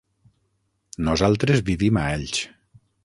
Nosaltres vivim a Elx.